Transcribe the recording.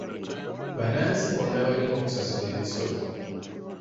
Bannansi bonna balina okusasula emisolo.